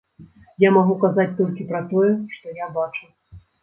Я магу казаць толькі пра тое, што я бачу.